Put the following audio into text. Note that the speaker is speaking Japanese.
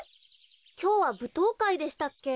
きょうはぶとうかいでしたっけ？